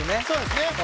そうですね